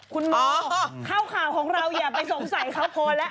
คุณหมอเข้าข่าวของเราอย่าไปสงสัยเขาพอแล้ว